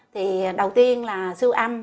thì đầu tiên là siêu âm